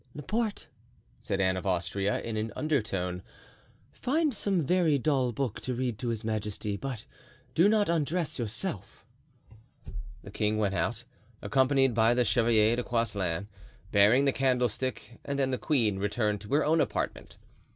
"Laporte," said Anne of Austria, in an undertone, "find some very dull book to read to his majesty, but do not undress yourself." The king went out, accompanied by the Chevalier de Coislin, bearing the candlestick, and then the queen returned to her own apartment.